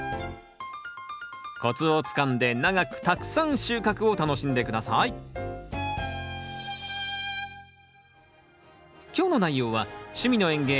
コツをつかんで長くたくさん収穫を楽しんで下さい今日の内容は「趣味の園芸やさいの時間」